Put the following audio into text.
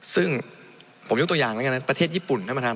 ซึ่งผมยกตัวอย่างแล้วกันนะประเทศญี่ปุ่นท่านประธาน